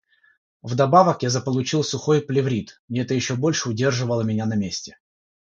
Вдобавок я заполучил сухой плеврит, и это ещё больше удерживало меня на месте.